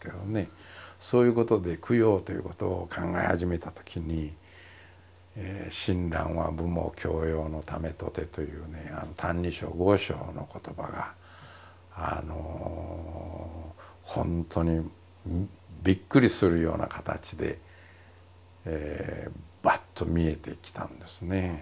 そういうことで供養ということを考え始めたときに「親鸞は父母孝養のためとて」というね「歎異抄」五章の言葉がほんとにびっくりするような形でバッと見えてきたんですね。